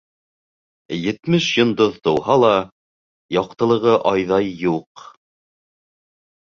Етмеш йондоҙ тыуһа ла, яҡтылығы айҙай юҡ.